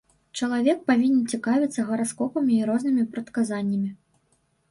Чалавек павінен цікавіцца гараскопамі і рознымі прадказаннямі.